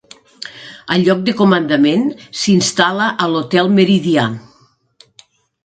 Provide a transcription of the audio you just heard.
El lloc de comandament s'instal·la a l'Hotel Meridià.